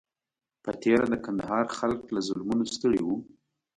په تېره د کندهار خلک له ظلمونو ستړي وو.